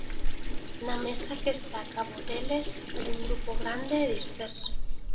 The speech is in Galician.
Na mesa que está cabo deles hai un grupo grande e disperso.